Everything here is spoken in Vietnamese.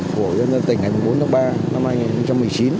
của nhân dân tỉnh hai mươi bốn tháng ba năm hai nghìn một mươi chín